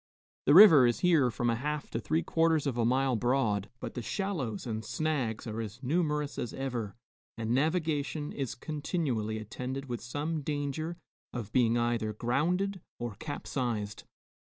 The river is here from a half to three quarters of a mile broad, but the shallows and snags are as numerous as ever and navigation is continually attended with some danger of being either grounded or capsized.